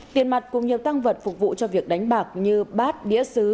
tiền mặt cùng nhiều tăng vật phục vụ cho việc đánh bạc như bát đĩa xứ